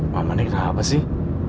mama nih kenapa sih